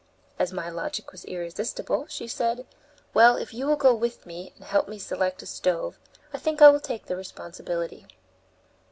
As my logic was irresistible, she said, "Well, if you will go with me, and help select a stove, I think I will take the responsibility."